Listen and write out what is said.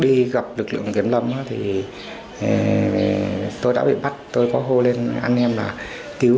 đi gặp lực lượng kiểm lâm thì tôi đã bị bắt tôi có hô lên anh em là cứu